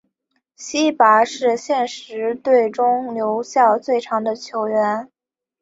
希拔是现时队中留效最长的球员。